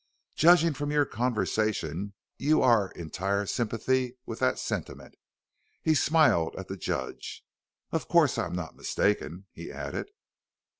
Judging from your conversation you are in entire sympathy with that sentiment." He smiled at the judge. "Of course I am not mistaken?" he added.